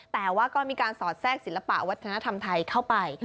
แต่ว่าก็มีการสอดแทรกศิลปะวัฒนธรรมไทยเข้าไป